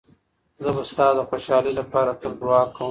زه به ستا د خوشحالۍ لپاره تل دعا کوم.